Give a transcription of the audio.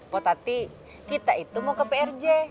potati kita itu mau ke prj